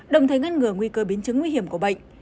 đồng thời ngăn ngừa nguy cơ biến chứng nguy hiểm của bệnh